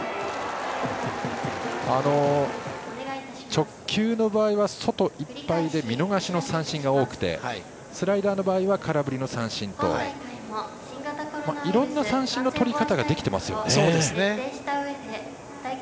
直球の場合は外いっぱいで見逃し三振が多くてスライダーの場合は空振り三振といろんな三振のとり方ができていますよね。